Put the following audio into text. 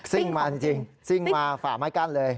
่งมาจริงซิ่งมาฝ่าไม้กั้นเลย